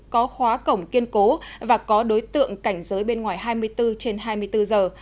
có khóa cổng kiên cố và có đối tượng cảnh giới bên ngoài hai mươi bốn trên hai mươi bốn giờ